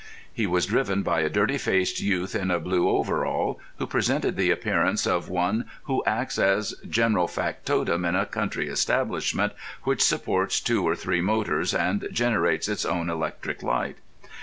He was driven by a dirty faced youth in a blue overall, who presented the appearance of one who acts as general factotum in a country establishment which supports two or three motors and generates its own electric light.